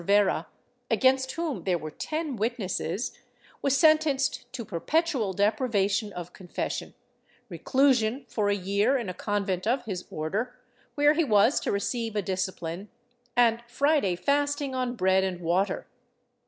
VI] PUNISHMENT 127 were ten witnesses, was sentenced to perpetual deprivation of confession, reclusion for a year in a convent of his Order, where he was to receive a discipline, and Friday fasting on bread and water.